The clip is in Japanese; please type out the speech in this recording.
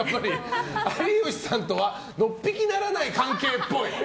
有吉さんとはのっぴきならない関係っぽい。